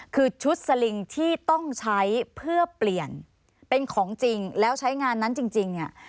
คือชุดสลิงที่ต้องใช้เพื่อเปลี่ยนเป็นของจริงแล้วใช้งานนั้นจริงเนี่ย